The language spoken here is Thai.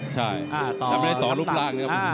ใช่ยังไม่ได้ต่อรูปร่างนะครับ